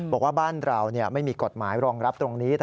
บอกว่าบ้านเราไม่มีกฎหมายรองรับตรงนี้